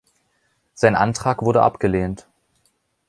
Sein Antrag wurde abgelehnt.